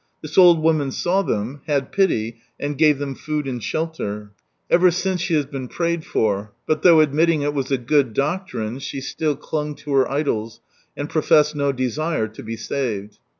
This old woman saw them, had pity, and gave them food and shelter. Ever since she has been prayed for ; but though admitting it was a " good doctrine," she still clung to her idols, and professed no desire to be saved.